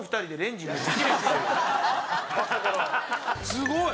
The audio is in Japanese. すごい！